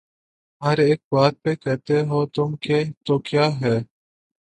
ہر ایک بات پہ کہتے ہو تم کہ تو کیا ہے